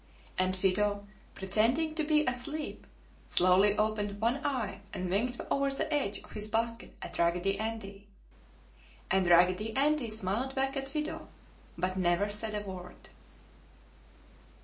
And Fido, pretending to be asleep, slowly opened one eye and winked over the edge of his basket at Raggedy Andy. And Raggedy Andy smiled back at Fido, but never said a word.